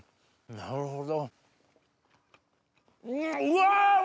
なるほど。